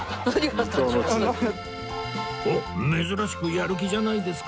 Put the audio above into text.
おっ珍しくやる気じゃないですか！